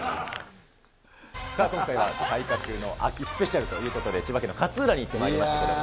今回は体格の秋スペシャルということで、千葉県の勝浦に行ってきましたけど。